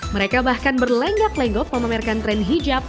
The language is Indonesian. mereka bahkan berlenggak lenggok memamerkan tren hijab